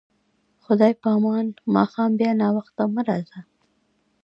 خدای په امان، ماښام بیا ناوخته مه راځه.